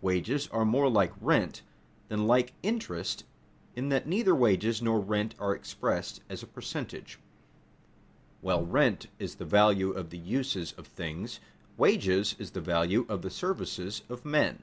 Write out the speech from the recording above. Wages are more like rent than like interest in that neither wages nor rent are expressed as a percentage. While rent is the value of the uses of things, wages is the value of the services of men.